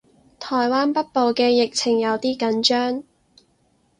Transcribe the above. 台灣北部嘅疫情有啲緊張